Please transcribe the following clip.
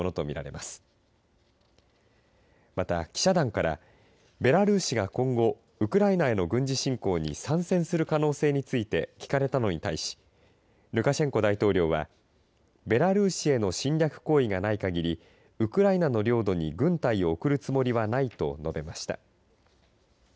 また、記者団からベラルーシが今後ウクライナへの軍事侵攻に参戦する可能性について聞かれたのに対しルカシェンコ大統領はベラルーシへの侵略行為がないかぎりウクライナの領土に軍隊を送るつもりがないと述べました。